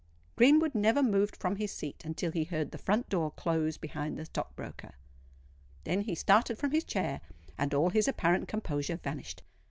Greenwood never moved from his seat until he heard the front door close behind the stock broker. Then he started from his chair, and all his apparent composure vanished.